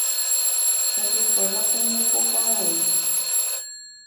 chakeko la pene pokãvoi